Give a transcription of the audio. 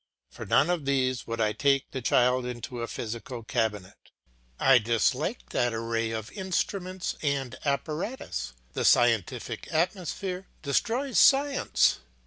For none of these would I take the child into a physical cabinet; I dislike that array of instruments and apparatus. The scientific atmosphere destroys science.